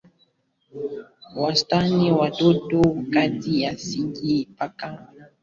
wastani watoto kati ya sita mpaka nane ama zaidi na hao ni wa mama